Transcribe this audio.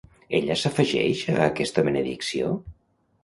Ella s'afegeix a aquesta benedicció?